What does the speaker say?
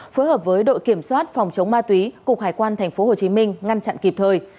phối hợp với đội kiểm soát phòng chống ma túy cục hải quan tp hcm ngăn chặn kịp thời